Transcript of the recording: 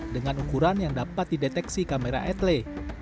dengan ukuran yang dapat dideteksi kamera etle